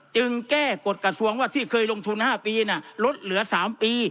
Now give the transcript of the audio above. จึงแก้กฎกระทรวงว่าที่เคยลงทุน๕ปีลดเหลือ๓ปี